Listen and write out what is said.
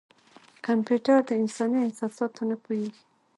کمپیوټر د انساني احساساتو نه پوهېږي.